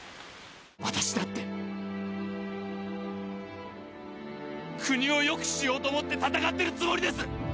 私だって国をよくしようと思って戦ってるつもりです！